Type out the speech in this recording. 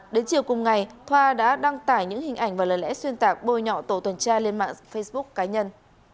đến chiều cùng ngày thoa đã đăng tải những hình ảnh và lời lẽ xuyên tạc bôi nhọ tổ tuần tra lên mạng facebook cá nhân